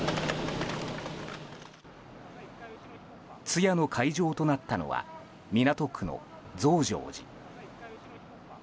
通夜の会場となったのは港区の増上寺。